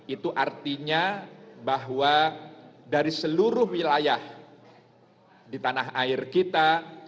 itu artinya bahwa dari seluruh wilayah di tanah air kita